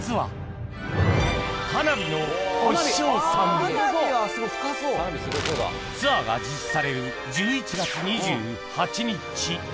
まずはツアーが実施される１１月２８日